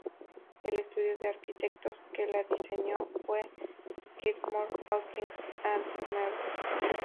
El estudio de arquitectos que la diseñó fue Skidmore, Owings and Merrill.